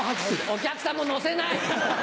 お客さんも乗せない。